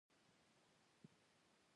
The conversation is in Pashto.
ټپي ته باید د ژوند امید ورکړو.